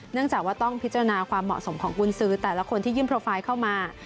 จากว่าต้องพิจารณาความเหมาะสมของกุญสือแต่ละคนที่ยื่นโปรไฟล์เข้ามา